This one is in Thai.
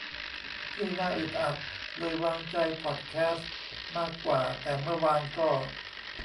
นี่น่าอึดอัด เลยวางใจพอดแคสต์มากกว่า แต่เมื่อวานก็